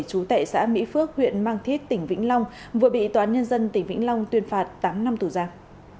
chú tại xã mỹ phước huyện mang thiết tỉnh vĩnh long vừa bị toán nhân dân tỉnh vĩnh long tuyên phạt tám năm thủ giang